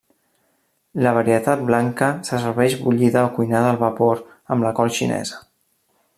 La varietat blanca se serveix bullida o cuinada al vapor amb la col xinesa.